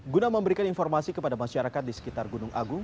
guna memberikan informasi kepada masyarakat di sekitar gunung agung